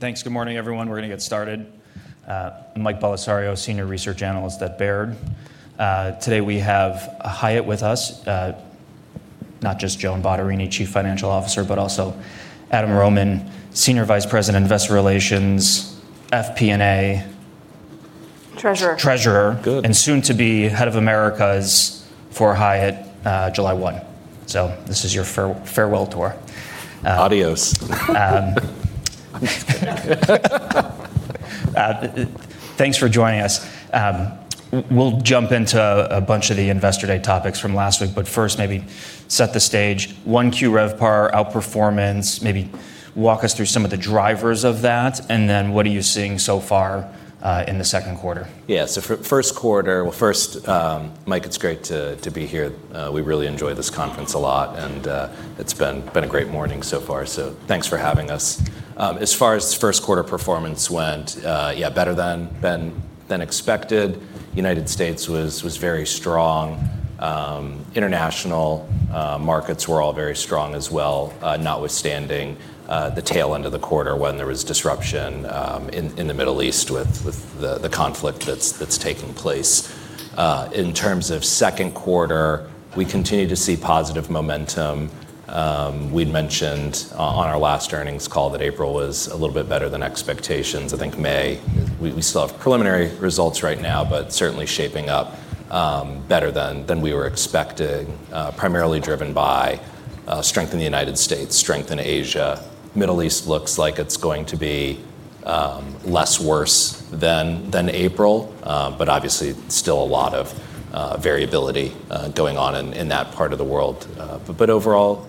Thanks. Good morning, everyone. We're going to get started. I'm Michael Bellisario, Senior Research Analyst at Baird. Today, we have Hyatt with us. Not just Joan Bottarini, Chief Financial Officer, but also Adam Rohman, Senior Vice President, Investor Relations, FP&A- Treasurer. Treasurer. Good. Soon to be Head of Americas for Hyatt, 1 July 2026. This is your farewell tour. Adios. Thanks for joining us. We'll jump into a bunch of the Investor Day topics from last week. First, maybe set the stage. Q1 RevPAR outperformance. Maybe walk us through some of the drivers of that. What are you seeing so far in the Q2? For Q1- First, Mike, it's great to be here. We really enjoy this conference a lot, and it's been a great morning so far, so thanks for having us. As far as Q1 performance went, better than expected. United States was very strong. International markets were all very strong as well, notwithstanding the tail end of the quarter, when there was disruption in the Middle East with the conflict that's taking place. In terms of Q2, we continue to see positive momentum. We'd mentioned on our last earnings call that April was a little bit better than expectations. I think May, we still have preliminary results right now, but certainly shaping up better than we were expecting. Primarily driven by strength in the United States, strength in Asia. Middle East looks like it's going to be less worse than April, but obviously still a lot of variability going on in that part of the world. Overall,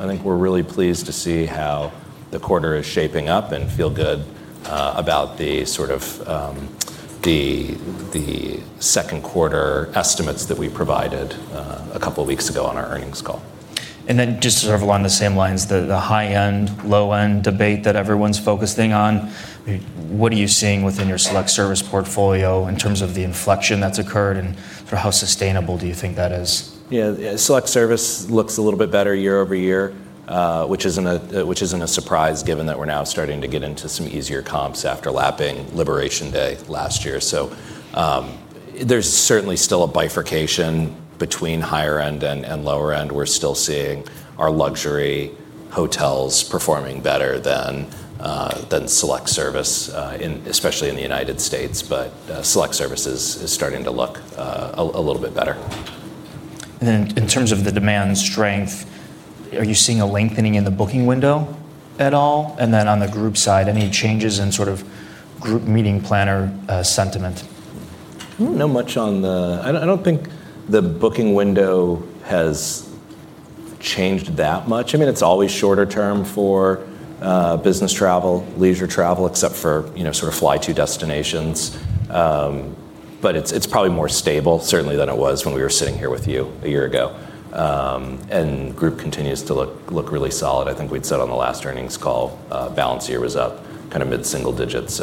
I think we're really pleased to see how the quarter is shaping up and feel good about the Q2 estimates that we provided a couple of weeks ago on our earnings call. Just sort of along the same lines, the high-end, low-end debate that everyone's focusing on. What are you seeing within your select service portfolio in terms of the inflection that's occurred, and how sustainable do you think that is? Select service looks a little bit better year-over-year, which isn't a surprise given that we're now starting to get into some easier comps after lapping Liberation Day last year. There's certainly still a bifurcation between higher end and lower end. We're still seeing our luxury hotels performing better than select service, especially in the U.S. Select service is starting to look a little bit better. In terms of the demand strength, are you seeing a lengthening in the booking window at all? On the group side, any changes in sort of group meeting planner sentiment? I don't think the booking window has changed that much. It's always shorter term for business travel, leisure travel, except for sort of fly-to destinations. It's probably more stable, certainly than it was when we were sitting here with you a year ago. Group continues to look really solid. I think we'd said on the last earnings call, balance year was up mid-single digits.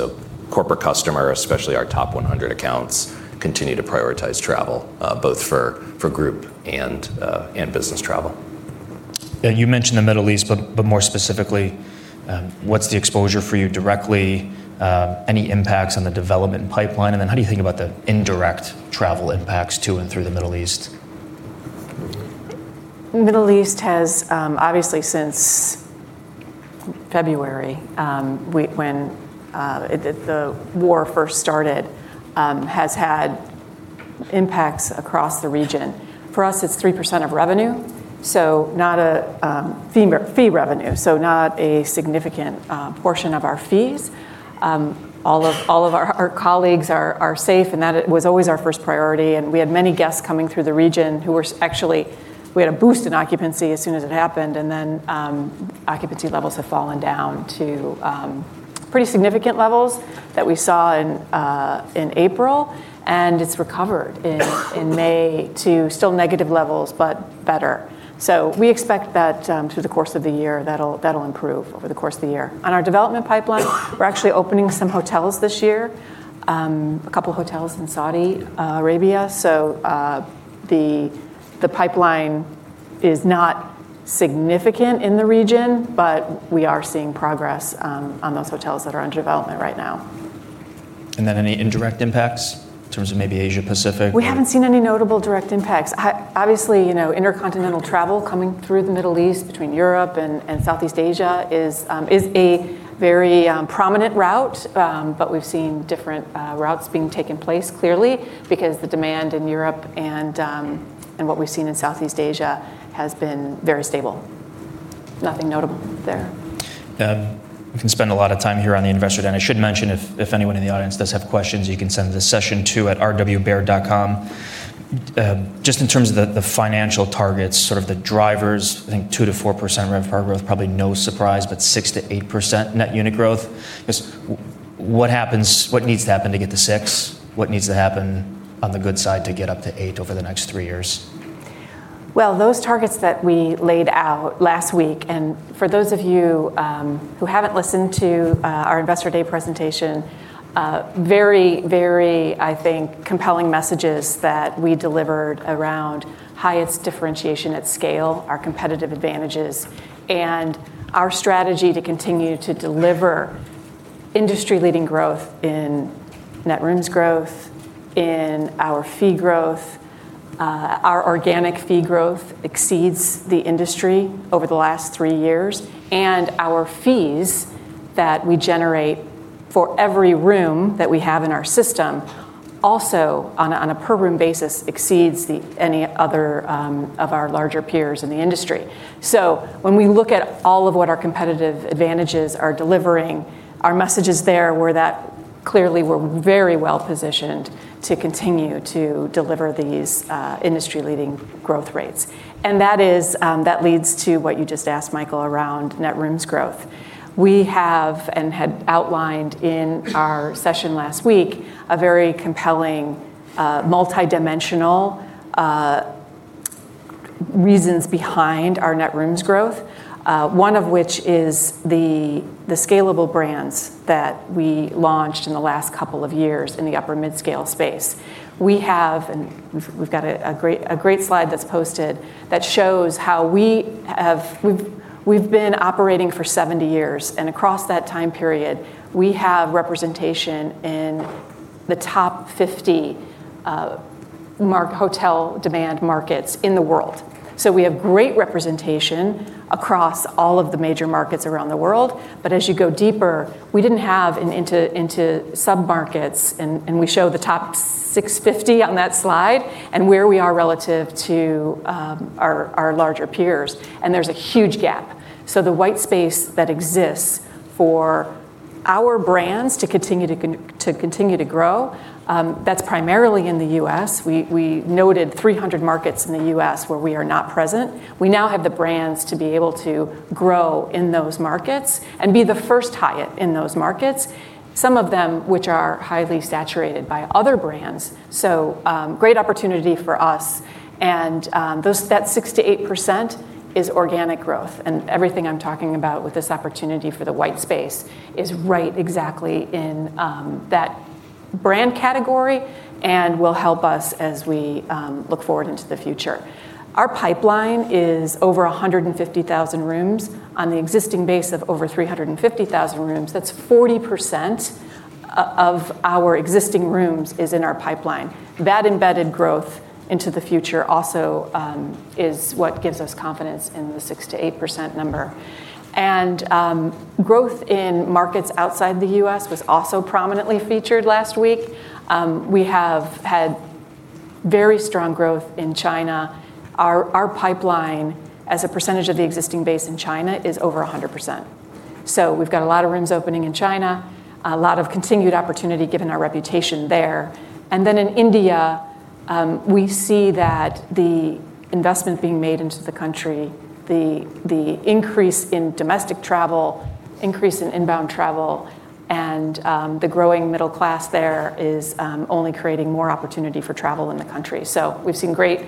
Corporate customer, especially our top 100 accounts, continue to prioritize travel, both for group and business travel. Yeah. You mentioned the Middle East, but more specifically, what's the exposure for you directly? Any impacts on the development pipeline? How do you think about the indirect travel impacts to and through the Middle East? The Middle East has, obviously since February, when the war first started, has had impacts across the region. For us, it's 3% of revenue, fee revenue. Not a significant portion of our fees. All of our colleagues are safe, and that was always our first priority, and we had many guests coming through the region. We had a boost in occupancy as soon as it happened, and then occupancy levels have fallen down to pretty significant levels that we saw in April, and it's recovered in May to still negative levels, but better. We expect that through the course of the year, that'll improve over the course of the year. On our development pipeline, we're actually opening some hotels this year. A couple of hotels in Saudi Arabia. The pipeline is not significant in the region, but we are seeing progress on those hotels that are under development right now. Any indirect impacts in terms of maybe Asia-Pacific? We haven't seen any notable direct impacts. Obviously, intercontinental travel coming through the Middle East between Europe and Southeast Asia is a very prominent route, but we've seen different routes being taken place, clearly. Because the demand in Europe and what we've seen in Southeast Asia has been very stable. Nothing notable there. We can spend a lot of time here on the investor deck. I should mention, if anyone in the audience does have questions, you can send to this session too at rwbaird.com. Just in terms of the financial targets, sort of the drivers, I think 2% or 4% RevPAR growth, probably no surprise, but 6%-8% net unit growth. What needs to happen to get to 6%? What needs to happen on the good side to get up to 8% over the next three years? Well, those targets that we laid out last week, for those of you who haven't listened to our Investor Day presentation, very, I think, compelling messages that we delivered around Hyatt's differentiation at scale, our competitive advantages, and our strategy to continue to deliver industry-leading growth in net rooms growth, in our fee growth. Our organic fee growth exceeds the industry over the last three years, our fees that we generate for every room that we have in our system also, on a per room basis, exceeds any other of our larger peers in the industry. When we look at all of what our competitive advantages are delivering, our message is there where that clearly we're very well-positioned to continue to deliver these industry-leading growth rates. That leads to what you just asked Michael, around net rooms growth. We have, and had outlined in our session last week, a very compelling, multi-dimensional reasons behind our net rooms growth. One of which is the scalable brands that we launched in the last couple of years in the upper mid-scale space. Across that time period, we have representation in the top 50 hotel demand markets in the world. We have great representation across all of the major markets around the world. As you go deeper, we didn't have into sub-markets, and we show the top 650 on that slide and where we are relative to our larger peers, and there's a huge gap. The white space that exists for our brands to continue to grow, that's primarily in the U.S. We noted 300 markets in the U.S. where we are not present. We now have the brands to be able to grow in those markets and be the first Hyatt in those markets, some of them which are highly saturated by other brands. Great opportunity for us and that 6%-8% is organic growth. Everything I'm talking about with this opportunity for the white space is right exactly in that brand category and will help us as we look forward into the future. Our pipeline is over 150,000 rooms on the existing base of over 350,000 rooms. That's 40% of our existing rooms is in our pipeline. That embedded growth into the future also is what gives us confidence in the 6%-8% number. Growth in markets outside the U.S. was also prominently featured last week. We have had very strong growth in China. Our pipeline as a percentage of the existing base in China is over 100%. We've got a lot of rooms opening in China, a lot of continued opportunity given our reputation there. In India, we see that the investment being made into the country, the increase in domestic travel, increase in inbound travel, and the growing middle class there is only creating more opportunity for travel in the country. We've seen great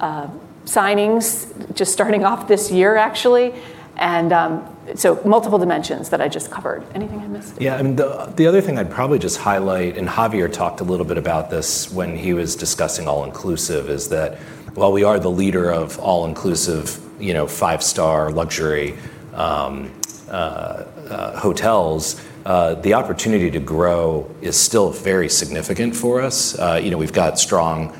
signings just starting off this year actually. Multiple dimensions that I just covered. Anything I missed? The other thing I'd probably just highlight, and Javier talked a little bit about this when he was discussing all-inclusive, is that while we are the leader of all-inclusive five-star luxury hotels, the opportunity to grow is still very significant for us. We've got strong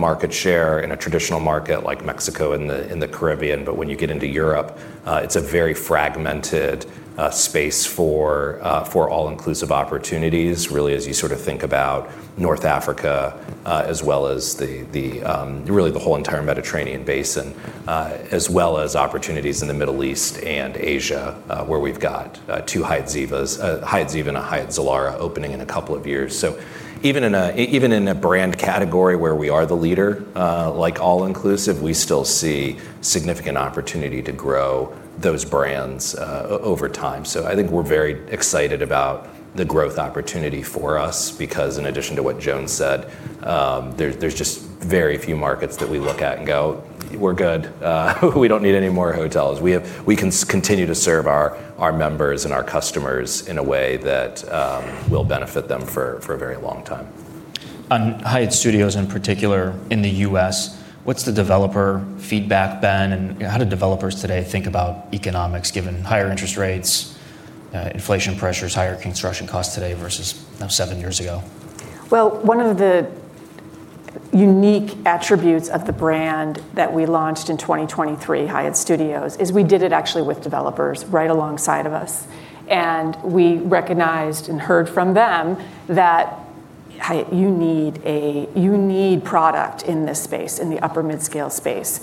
market share in a traditional market like Mexico and the Caribbean, when you get into Europe, it's a very fragmented space for all-inclusive opportunities, really, as you think about North Africa as well as really the whole entire Mediterranean basin, as well as opportunities in the Middle East and Asia, where we've got two Hyatt Zivas. A Hyatt Ziva and a Hyatt Zilara opening in a couple of years. Even in a brand category where we are the leader, like all-inclusive, we still see significant opportunity to grow those brands over time. I think we're very excited about the growth opportunity for us, because in addition to what Joan said, there's just very few markets that we look at and go, "We're good. We don't need any more hotels." We can continue to serve our members and our customers in a way that will benefit them for a very long time. On Hyatt Studios in particular in the U.S., what's the developer feedback been, and how do developers today think about economics given higher interest rates, inflation pressures, higher construction costs today versus seven years ago? Well, one of the unique attributes of the brand that we launched in 2023, Hyatt Studios, is we did it actually with developers right alongside of us. We recognized and heard from them that, "Hyatt, you need product in this space, in the upper mid-scale space."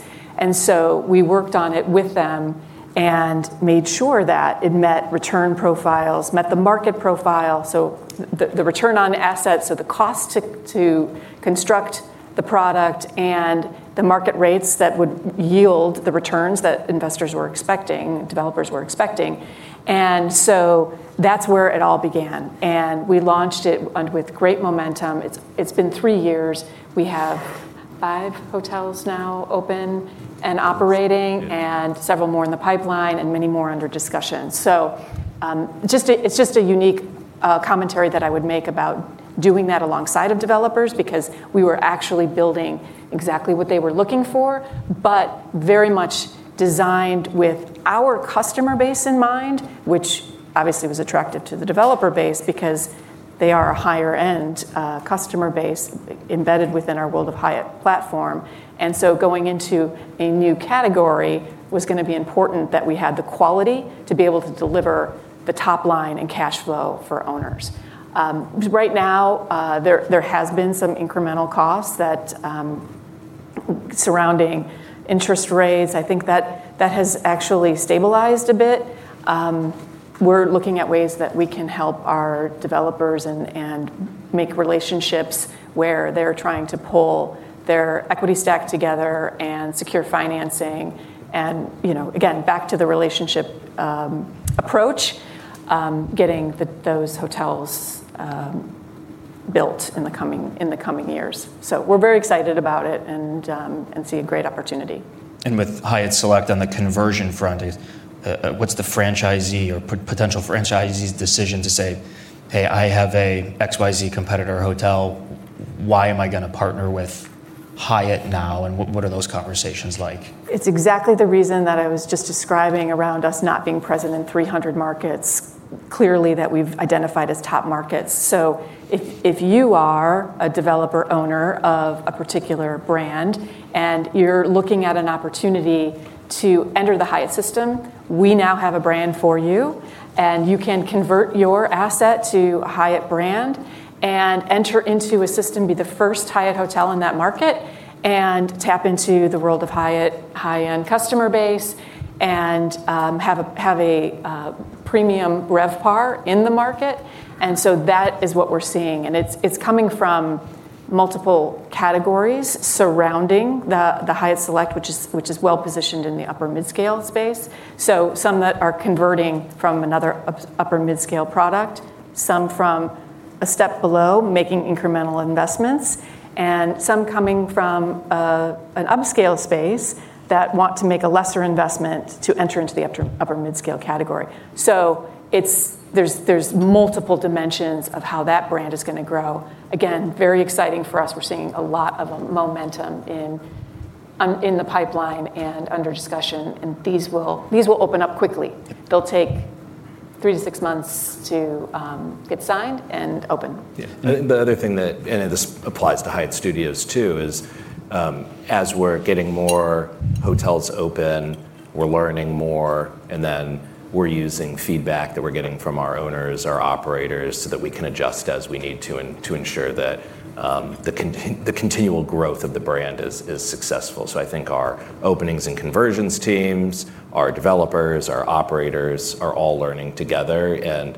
We worked on it with them and made sure that it met return profiles, met the market profile, so the return on assets, so the cost to construct the product and the market rates that would yield the returns that investors were expecting, developers were expecting. That's where it all began, and we launched it with great momentum. It's been three years. We have five hotels now open and operating. Yes. Several more in the pipeline, many more under discussion. It's just a unique commentary that I would make about doing that alongside of developers because we were actually building exactly what they were looking for, but very much designed with our customer base in mind, which obviously was attractive to the developer base because they are a higher-end customer base embedded within our World of Hyatt platform. Going into a new category, was going to be important that we had the quality to be able to deliver the top line and cash flow for owners. Right now, there has been some incremental costs that surrounding interest rates. I think that has actually stabilized a bit. We're looking at ways that we can help our developers and make relationships where they're trying to pull their equity stack together and secure financing and, again, back to the relationship approach, getting those hotels built in the coming years. We're very excited about it and see a great opportunity. With Hyatt Select on the conversion front, what's the franchisee or potential franchisee's decision to say, "Hey, I have a XYZ competitor hotel. Why am I going to partner with Hyatt now?" What are those conversations like? It's exactly the reason that I was just describing around us not being present in 300 markets, clearly that we've identified as top markets. If you are a developer owner of a particular brand and you're looking at an opportunity to enter the Hyatt system, we now have a brand for you, and you can convert your asset to a Hyatt brand and enter into a system, be the first Hyatt hotel in that market, and tap into the World of Hyatt high-end customer base and have a premium RevPAR in the market. That is what we're seeing, and it's coming from multiple categories surrounding the Hyatt Select, which is well-positioned in the upper-midscale space. Some that are converting from another upper mid-scale product, some from a step below making incremental investments, and some coming from an upscale space that want to make a lesser investment to enter into the upper mid-scale category. There's multiple dimensions of how that brand is going to grow. Again, very exciting for us. We're seeing a lot of momentum in the pipeline and under discussion, and these will open up quickly. They'll take three to six months to get signed and open. The other thing that, and this applies to Hyatt Studios too, is as we're getting more hotels open, we're learning more, and then we're using feedback that we're getting from our owners, our operators, so that we can adjust as we need to, and to ensure that the continual growth of the brand is successful. I think our openings and conversions teams, our developers, our operators, are all learning together and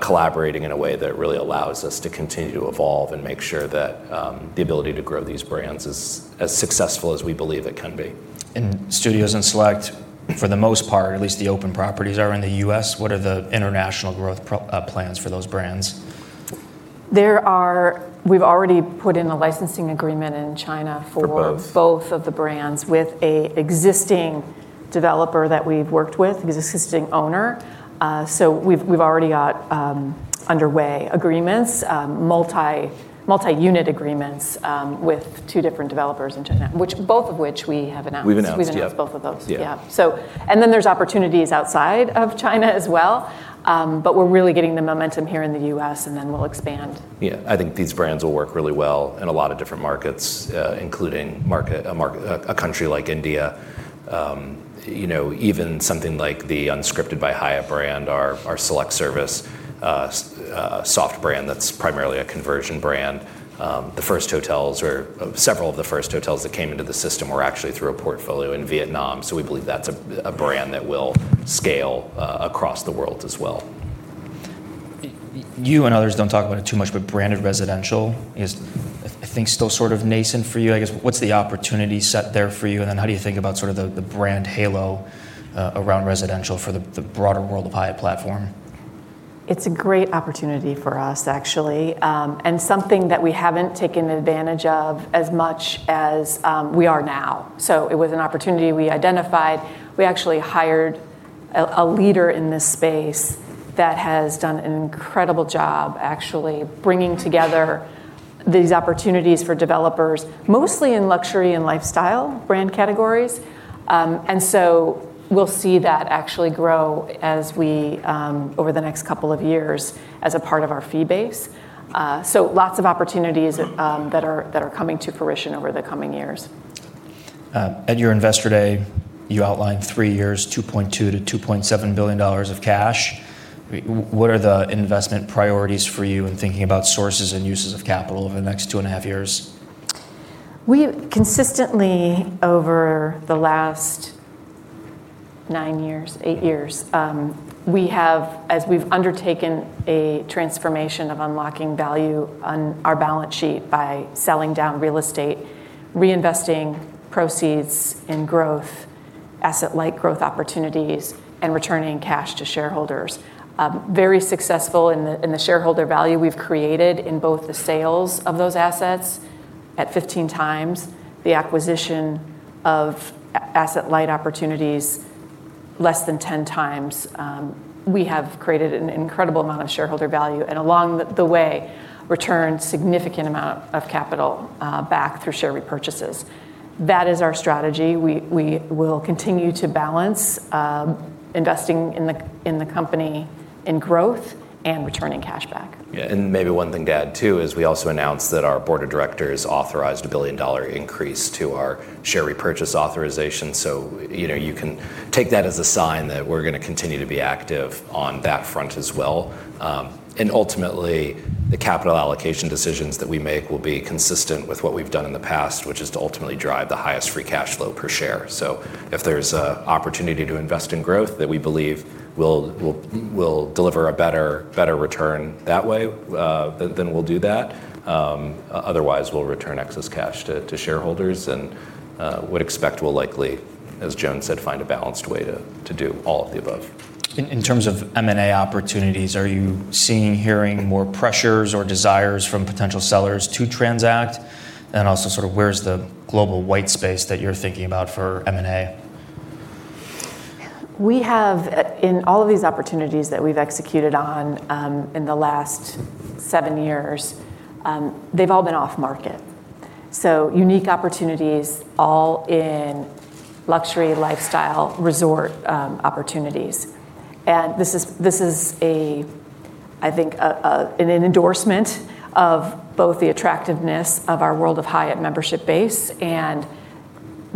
collaborating in a way that really allows us to continue to evolve and make sure that the ability to grow these brands is as successful as we believe it can be. Studios and Select, for the most part, at least the open properties are in the U.S. What are the international growth plans for those brands? We've already put in a licensing agreement in China for- For both. ...both of the brands with an existing developer that we've worked with. He's existing owner. We've already got underway agreements, multi-unit agreements with two different developers in China, both of which we have announced. We've announced, yep. We've announced both of those. Yeah. Yeah. There's opportunities outside of China as well, but we're really getting the momentum here in the U.S., and then we'll expand. Yeah, I think these brands will work really well in a lot of different markets, including a country like India. Even something like the Unscripted by Hyatt brand, our select service soft brand that's primarily a conversion brand. Several of the first hotels that came into the system were actually through a portfolio in Vietnam. We believe that's a brand that will scale across the world as well. You and others don't talk about it too much, but branded residential is, I think, still sort of nascent for you, I guess. What's the opportunity set there for you, and then how do you think about the brand halo around residential for the broader World of Hyatt platform? It's a great opportunity for us, actually. Something that we haven't taken advantage of as much as we are now. It was an opportunity we identified. We actually hired a leader in this space that has done an incredible job, actually, bringing together these opportunities for developers, mostly in luxury and lifestyle brand categories. We'll see that actually grow over the next couple of years as a part of our fee base. Lots of opportunities that are coming to fruition over the coming years. At your Investor Day, you outlined three years, $2.2 billion-$2.7 billion of cash. What are the investment priorities for you in thinking about sources and uses of capital over the next two and a half years? We consistently, over the last nine years, eight years, as we've undertaken a transformation of unlocking value on our balance sheet by selling down real estate, reinvesting proceeds in growth asset-light growth opportunities and returning cash to shareholders. Very successful in the shareholder value we've created in both the sales of those assets at 15 times the acquisition of asset-light opportunities less than 10 times. We have created an incredible amount of shareholder value and along the way, returned significant amount of capital back through share repurchases. That is our strategy. We will continue to balance investing in the company in growth and returning cash back. One thing to add too is we also announced that our board of directors authorized a $1 billion increase to our share repurchase authorization. You can take that as a sign that we're going to continue to be active on that front as well. Ultimately, the capital allocation decisions that we make will be consistent with what we've done in the past, which is to ultimately drive the highest free cash flow per share. If there's an opportunity to invest in growth that we believe will deliver a better return that way, then we'll do that. Otherwise, we'll return excess cash to shareholders and would expect we'll likely, as Joan said, find a balanced way to do all of the above. In terms of M&A opportunities, are you seeing, hearing more pressures or desires from potential sellers to transact? Also sort of where's the global white space that you're thinking about for M&A? We have, in all of these opportunities that we've executed on in the last seven years, they've all been off-market. Unique opportunities all in luxury lifestyle resort opportunities. This is a, I think, an endorsement of both the attractiveness of our World of Hyatt membership base and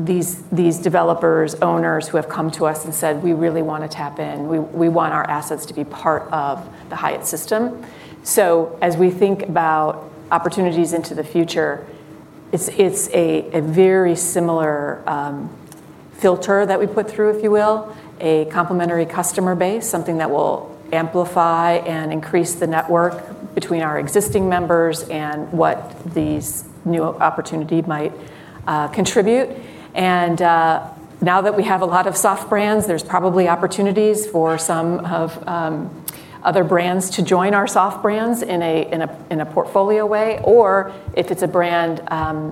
these developers, owners who have come to us and said, "We really want to tap in. We want our assets to be part of the Hyatt system." As we think about opportunities into the future, it's a very similar filter that we put through, if you will, a complimentary customer base, something that will amplify and increase the network between our existing members and what these new opportunity might contribute. Now that we have a lot of soft brands, there's probably opportunities for some of other brands to join our soft brands in a portfolio way, or if it's a brand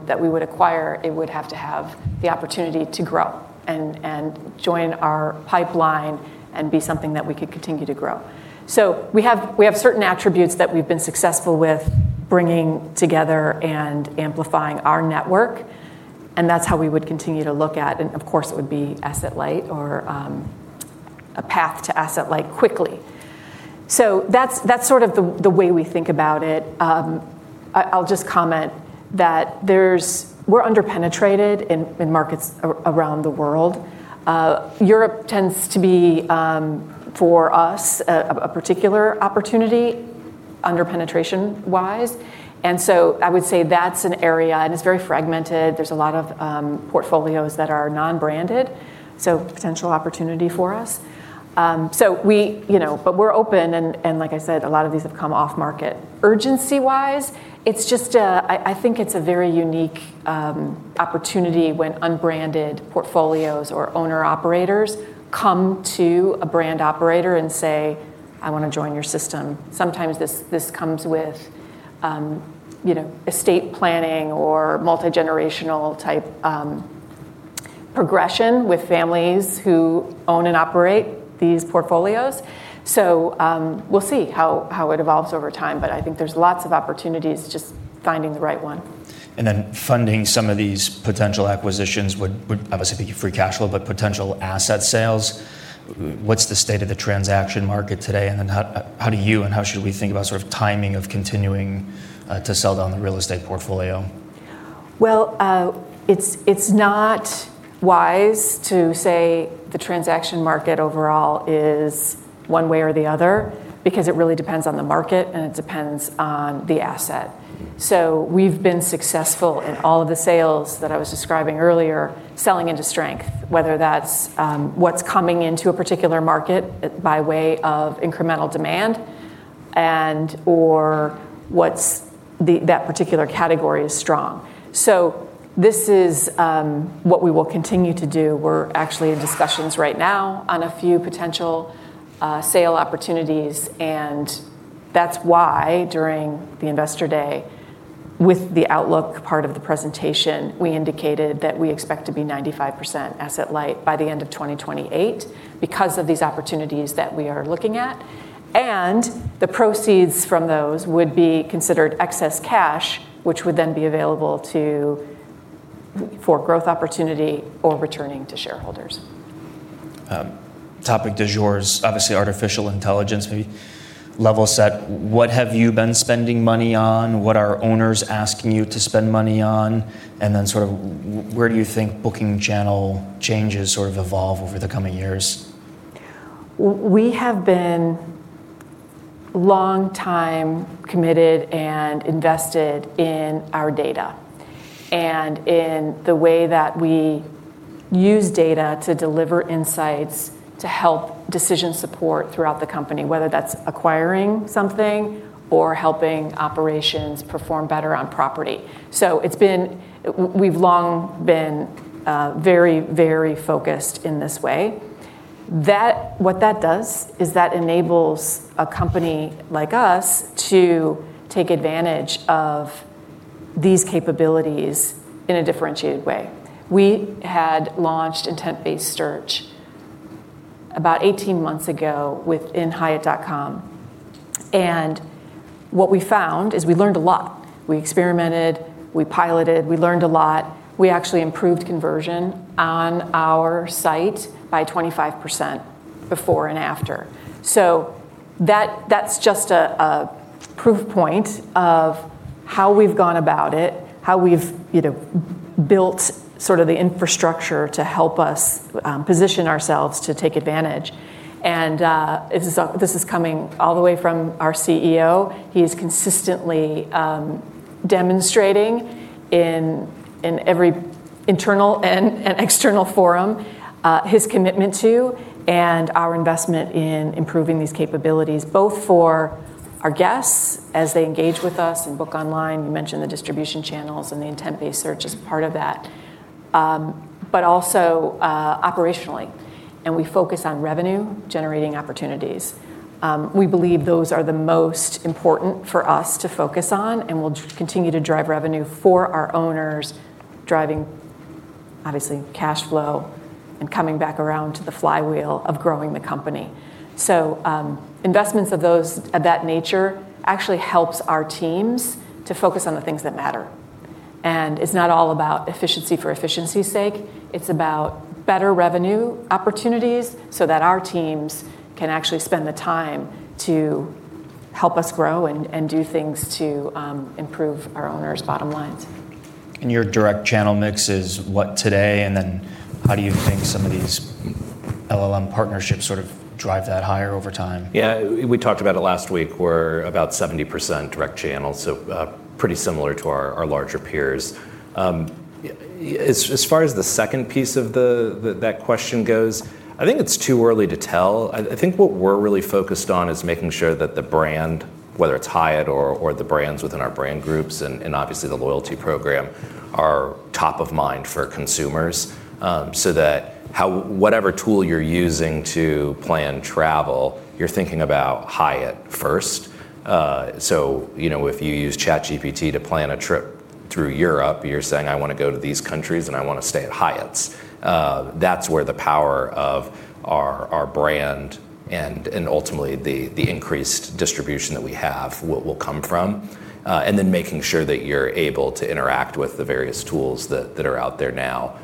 that we would acquire, it would have to have the opportunity to grow and join our pipeline and be something that we could continue to grow. We have certain attributes that we've been successful with bringing together and amplifying our network, and that's how we would continue to look at, and of course, it would be asset-light or a path to asset-light quickly. That's sort of the way we think about it. I'll just comment that we're under-penetrated in markets around the world. Europe tends to be, for us, a particular opportunity under-penetration-wise, and so I would say that's an area, and it's very fragmented. There's a lot of portfolios that are non-branded, potential opportunity for us. We're open and, like I said, a lot of these have come off market. Urgency-wise, I think it's a very unique opportunity when unbranded portfolios or owner-operators come to a brand operator and say, "I want to join your system." Sometimes this comes with estate planning or multigenerational-type progression with families who own and operate these portfolios. We'll see how it evolves over time. I think there's lots of opportunities, just finding the right one. Then funding some of these potential acquisitions would obviously be free cash flow, but potential asset sales. What's the state of the transaction market today, and then how do you and how should we think about sort of timing of continuing to sell down the real estate portfolio? It's not wise to say the transaction market overall is one way or the other because it really depends on the market and it depends on the asset. We've been successful in all of the sales that I was describing earlier, selling into strength, whether that's what's coming into a particular market by way of incremental demand and/or what's that particular category is strong. This is what we will continue to do. We're actually in discussions right now on a few potential sale opportunities, and that's why during the Investor Day, with the outlook part of the presentation, we indicated that we expect to be 95% asset-light by the end of 2028 because of these opportunities that we are looking at. The proceeds from those would be considered excess cash, which would then be available for growth opportunity or returning to shareholders. Topic du jour is obviously artificial intelligence, maybe level set. What have you been spending money on? What are owners asking you to spend money on? Sort of where do you think booking channel changes sort of evolve over the coming years? We have been long time committed and invested in our data and in the way that we use data to deliver insights to help decision support throughout the company, whether that's acquiring something or helping operations perform better on property. We've long been very focused in this way. What that does is that enables a company like us to take advantage of these capabilities in a differentiated way. We had launched intent-based search about 18 months ago within hyatt.com, and what we found is we learned a lot. We experimented, we piloted, we learned a lot. We actually improved conversion on our site by 25% before and after. That's just a proof point of how we've gone about it, how we've built the infrastructure to help us position ourselves to take advantage. This is coming all the way from our CEO. He's consistently demonstrating in every internal and external forum, his commitment to and our investment in improving these capabilities, both for our guests as they engage with us and book online, you mentioned the distribution channels, and the intent-based search is part of that. Also, operationally. We focus on revenue-generating opportunities. We believe those are the most important for us to focus on, and we'll continue to drive revenue for our owners, driving, obviously, cash flow and coming back around to the flywheel of growing the company. Investments of that nature actually helps our teams to focus on the things that matter. It's not all about efficiency for efficiency's sake. It's about better revenue opportunities so that our teams can actually spend the time to help us grow and do things to improve our owners' bottom lines. Your direct channel mix is what today, and then how do you think some of these LLM partnerships drive that higher over time? Yeah, we talked about it last week. We're about 70% direct channel, so pretty similar to our larger peers. As far as the second piece of that question goes, I think it's too early to tell. I think what we're really focused on is making sure that the brand, whether it's Hyatt or the brands within our brand groups and obviously the loyalty program, are top of mind for consumers, so that whatever tool you're using to plan travel, you're thinking about Hyatt first. If you use ChatGPT to plan a trip through Europe, you're saying, "I want to go to these countries, and I want to stay at Hyatts." That's where the power of our brand and ultimately the increased distribution that we have will come from. Making sure that you're able to interact with the various tools that are out there now.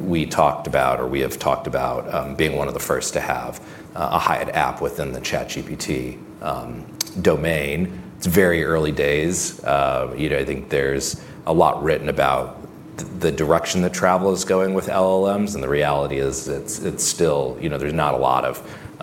We talked about, or we have talked about, being one of the first to have a Hyatt app within the ChatGPT domain. It's very early days. I think there's a lot written about the direction that travel is going with LLMs. The reality is there's not a lot of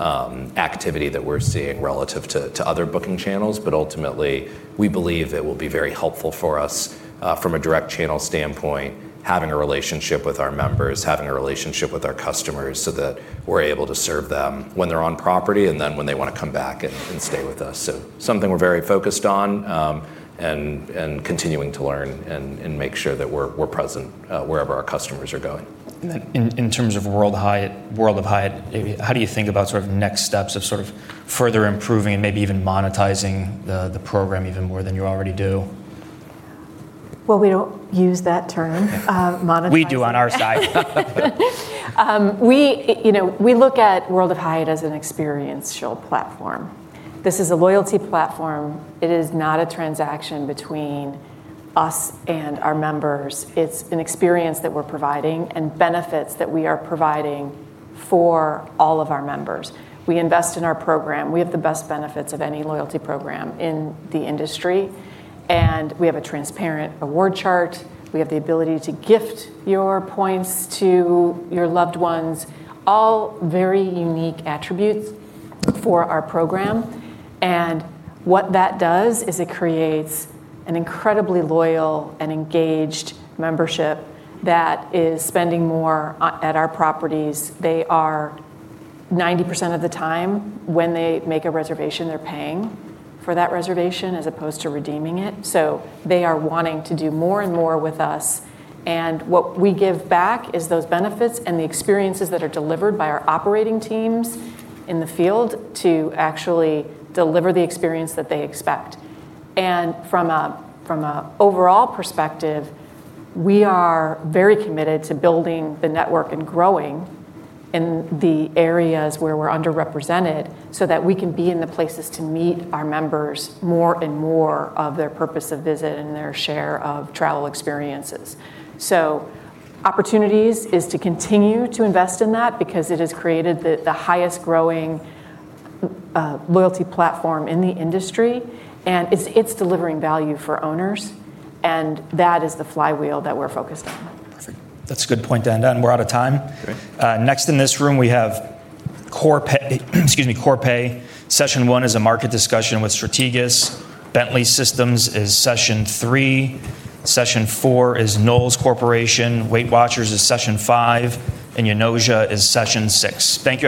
activity that we're seeing relative to other booking channels. Ultimately, we believe it will be very helpful for us from a direct channel standpoint, having a relationship with our members, having a relationship with our customers so that we're able to serve them when they're on property and then when they want to come back and stay with us. This is something we're very focused on, continuing to learn and make sure that we're present wherever our customers are going. In terms of World of Hyatt, how do you think about next steps of further improving and maybe even monetizing the program even more than you already do? Well, we don't use that term, monetize. We do on our side. We look at World of Hyatt as an experiential platform. This is a loyalty platform. It is not a transaction between us and our members. It's an experience that we're providing and benefits that we are providing for all of our members. We invest in our program. We have the best benefits of any loyalty program in the industry. We have a transparent award chart. We have the ability to gift your points to your loved ones. All very unique attributes for our program. What that does is it creates an incredibly loyal and engaged membership that is spending more at our properties. They are 90% of the time when they make a reservation, they're paying for that reservation as opposed to redeeming it. They are wanting to do more and more with us. What we give back is those benefits and the experiences that are delivered by our operating teams in the field to actually deliver the experience that they expect. From an overall perspective, we are very committed to building the network and growing in the areas where we're underrepresented so that we can be in the places to meet our members more and more of their purpose of visit and their share of travel experiences. Opportunities is to continue to invest in that because it has created the highest growing loyalty platform in the industry, and it's delivering value for owners, and that is the flywheel that we're focused on. Perfect. That's a good point to end on. We're out of time. Great. Next in this room, we have Corpay. Excuse me, Corpay. Session one is a market discussion with Strategas. Bentley Systems is session three. Session four is Knowles Corporation. Weight Watchers is session five, and Yanolja is session six. Thank you.